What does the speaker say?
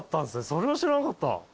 それは知らなかった。